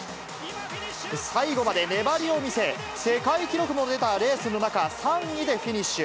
最後まで粘りを見せ、世界記録も出たレースの中、３位でフィニッシュ。